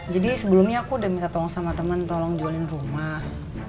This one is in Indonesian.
jadi sebelumnya aku udah minta tolong sama temen tolong jualin rumah